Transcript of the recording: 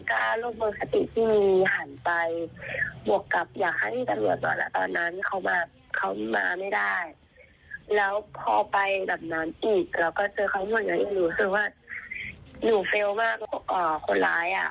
คือพี่ตันหัวโทรไปคุยเขาโมโหเขาบอกคือว่าไปบอกบ้านนั้นให้หยุดหยุดบ้าก่อน